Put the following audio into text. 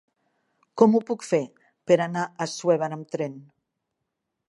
Com ho puc fer per anar a Assuévar amb tren?